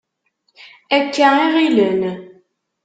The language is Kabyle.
Akka i ɣilen.